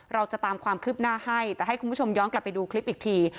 เราจะตามความคืบหน้าให้แต่ให้คุณผู้ชมย้อนกลับไปดูคลิปอีกที